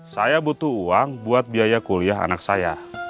saya butuh uang buat biaya kuliah anak saya